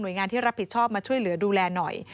โดยงานที่รับผิดชอบมาช่วยเหลือดูแลหน่อย